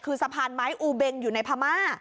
คือสะพานไม้อูเบงอยู่ในพม่า